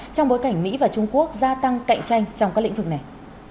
trong bối cảnh mỹ và trung quốc gia tăng cạnh tranh trong các lĩnh vực này